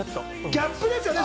ギャップですね。